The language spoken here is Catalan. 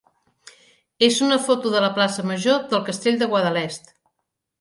és una foto de la plaça major del Castell de Guadalest.